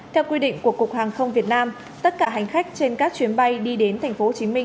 theo quy định của cục hàng không việt nam tất cả hành khách trên các chuyến bay đi đến tp hcm